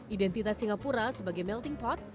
identitas singapura sebagai melting pot